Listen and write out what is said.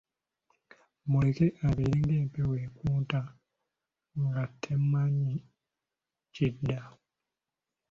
Muleke abeere ng'empewo ekunta nga temanyi gy'edda.